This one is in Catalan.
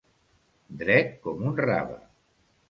Dret com un rave.